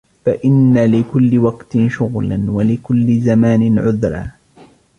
فَإِنَّ لِكُلِّ وَقْتٍ شُغْلًا وَلِكُلِّ زَمَانٍ عُذْرًا